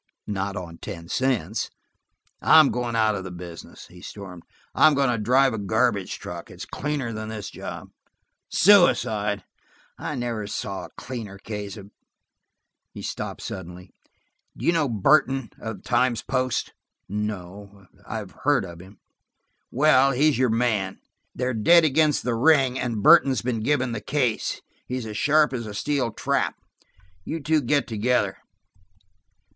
"Not on ten cents!" "I'm going out of the business," he stormed. "I'm going to drive a garbage wagon: it's cleaner than this job. Suicide! I never saw a cleaner case of–" He stopped suddenly. "Do you know Burton–of the Times Post ?" "No: I've heard of him." "Well, he's your man. They're dead against the ring, and Burton's been given the case. He's as sharp as a steel trap. You two get together."